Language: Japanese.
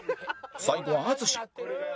最後は淳